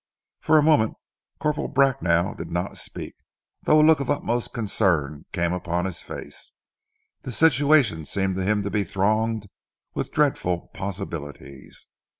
For a moment Corporal Bracknell did not speak, though a look of utmost concern came upon his face. The situation seemed to him to be thronged with dreadful possibilities.